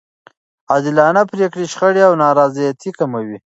عادلانه پرېکړې شخړې او نارضایتي کموي.